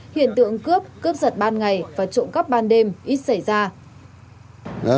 hiện tượng cướp cướp giật ban ngày và trộm cắp ban đêm ít xảy ra